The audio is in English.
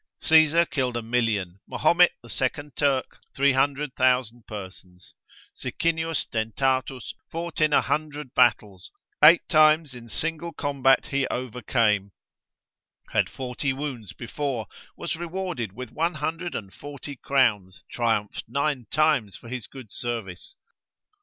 Caesar killed a million, Mahomet the second Turk, 300,000 persons; Sicinius Dentatus fought in a hundred battles, eight times in single combat he overcame, had forty wounds before, was rewarded with 140 crowns, triumphed nine times for his good service.